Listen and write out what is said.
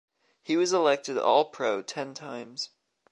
He was elected All Pro ten times.